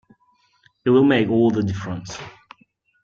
It will make all the difference.